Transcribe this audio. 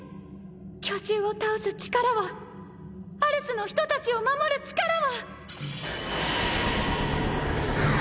巨獣を倒す力をアルスの人たちを守る力を！